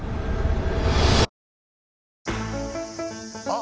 あ！